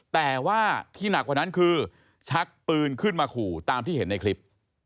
แต่ว่าที่หนักกว่านั้นคือชักปืนขึ้นมาขู่ตามที่เห็นในคลิป